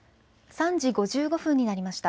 ３時５５分になりました。